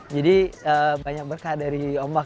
jadi banyak berkah dari ombak